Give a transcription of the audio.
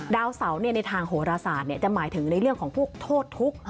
ดาวเสาในทางโหรศาสตร์จะหมายถึงในเรื่องของพวกโทษทุกข์